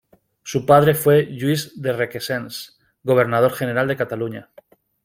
Su padre fue Lluís de Requesens, gobernador general de Cataluña.